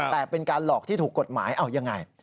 แต่เป็นการหลอกที่ถูกกฎหมายเอายังไง